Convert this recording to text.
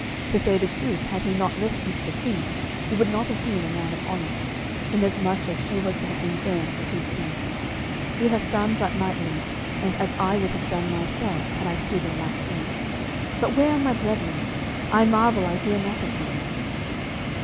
To say the truth, had he not rescued the Queen he would not have been a man of honour, inasmuch as she was to have been burned for his sake. He hath done but knightly, and as I would have done myself, had I stood in like case. But where are my brethren? I marvel I hear not of them."